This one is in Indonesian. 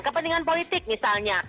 kepentingan politik misalnya